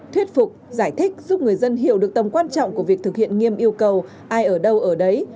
thuyết phục giải thích giúp người dân hiểu được tầm quan trọng của việc thực hiện nghiêm yêu cầu ai ở đâu ở đấy